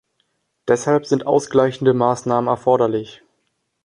Deshalb sind ausgleichende Maßnahmen erforderlich.